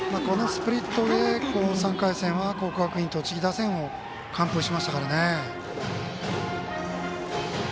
スプリットで３回戦は国学院栃木打線を完封しましたからね。